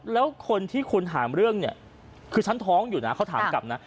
แล้วคนที่คุณหาเรื่องเนี่ยคือฉันท้องอยู่นะเขาถามกลับนะ